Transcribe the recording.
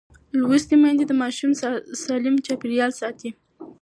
لوستې میندې د ماشوم سالم چاپېریال ساتي.